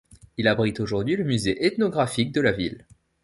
Il abrite aujourd'hui le musée ethnographique de la ville.